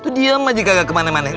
tuh diem aja kagak kemana mana